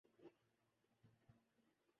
یاد رکھنا میں تمہیں دیکھ لوں گا